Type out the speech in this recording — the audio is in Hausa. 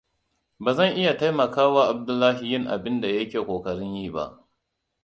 Ba zan iya taimakawa Abdullahi yin abin da yake ƙoƙarin yi ba.